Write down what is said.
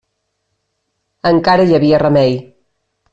Encara hi havia remei.